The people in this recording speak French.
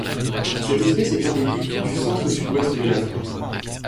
Cette espèce est endémique du centre-Sud-Ouest de l'Afrique.